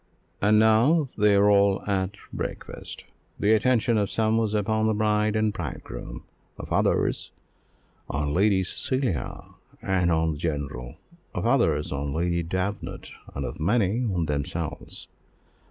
And now they are all at breakfast. The attention of some was upon the bride and bridegroom; of others, on Lady Cecilia and on the general; of others, on Lady Davenant; and of many, on themselves.